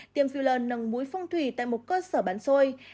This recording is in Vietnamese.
tiêm fill nâng mũi phong thủy tại một cơ sở bán xôi